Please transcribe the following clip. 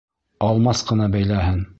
Алмас ҡына бәйләһен!